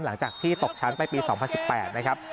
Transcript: หลังจากที่ตกชั้นไปปี๒๐๑๘นะครับ